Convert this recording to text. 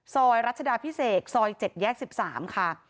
ซอยรัชดาพิเศษซอย๗แยก๑๓ค่ะ